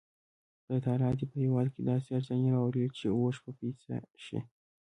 خدای تعالی دې په هېواد کې داسې ارزاني راولي چې اوښ په پیسه شي.